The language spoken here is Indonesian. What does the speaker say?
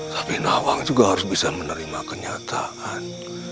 tapi nawang juga harus bisa menerima kenyataan